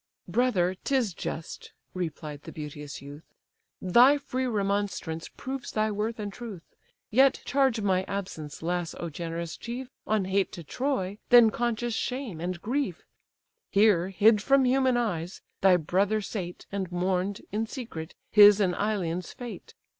"Brother, 'tis just, (replied the beauteous youth,) Thy free remonstrance proves thy worth and truth: Yet charge my absence less, O generous chief! On hate to Troy, than conscious shame and grief: Here, hid from human eyes, thy brother sate, And mourn'd, in secret, his and Ilion's fate.